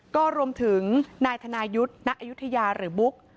ก็รวมถึงนายธนายุทธ์ณอายุทยาหรือบุ๊ก